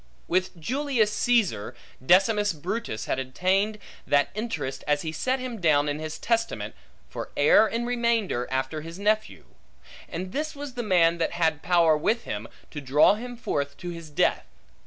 With Julius Caesar, Decimus Brutus had obtained that interest as he set him down in his testament, for heir in remainder, after his nephew. And this was the man that had power with him, to draw him forth to his death.